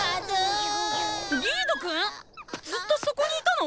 リードくん⁉ずっとそこにいたの⁉